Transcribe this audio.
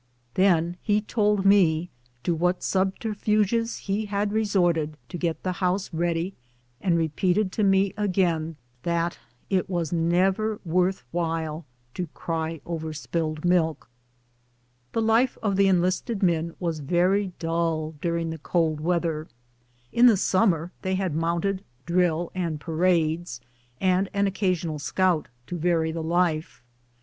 Then he told me to what subter fuges he liad resorted to get the house ready, and re peated to me again that it was never worth while to " cry over spilled milk." The life of the enlisted men was very dull during the cold weather. In the sunmier they had mounted drill and parades, and an occasional scout, to vary the life.